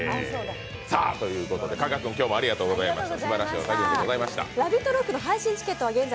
ということで、加賀君今日もありがとうございました。